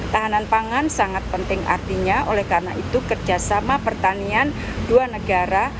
tahanan pangan sangat penting artinya oleh karena itu kerjasama pertanian dua negara